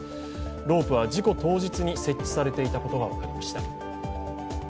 ロープは事故当日に設置されていたことが分かりました。